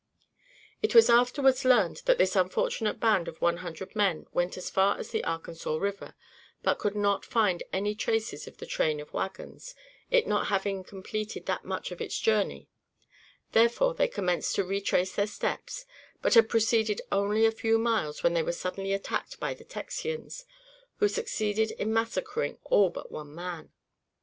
It was afterwards learned that this unfortunate band of one hundred men went as far as the Arkansas River, but could not find any traces of the train of wagons, it not having completed that much of its journey; therefore, they commenced to retrace their steps, but had proceeded only a few miles, when they were suddenly attacked by the Texians, who succeeded in massacring all but one man.